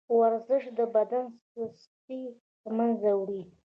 ورزش د بدن سستي له منځه وړي.